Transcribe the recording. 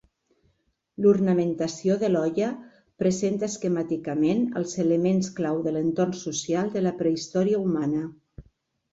L'ornamentació de l'olla presenta esquemàticament els elements clau de l'entorn social de la prehistòria humana.